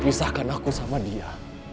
aku ingin ketemu dengan dia